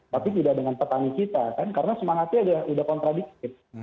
tapi tidak dengan petani kita kan karena semangatnya sudah kontradiktif